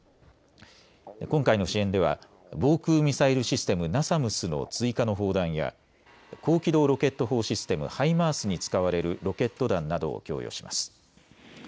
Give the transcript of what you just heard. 今回の支援では防空ミサイルシステム、ナサムスの追加の砲弾や高機動ロケット砲システム、ハイマースに使われるロケット弾などを供与します。